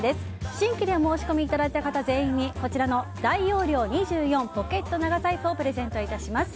新規でお申し込みいただいた方全員に、こちらの大容量２４ポケット長財布をプレゼントいたします。